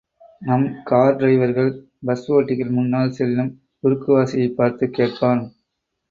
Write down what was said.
நம் கார் டிரைவர்கள், பஸ் ஓட்டிகள் முன்னால் செல்லும் குறுக்குவாசியைப் பார்த்துக் கேட்பான்.